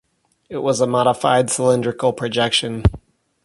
It is a modified cylindrical projection.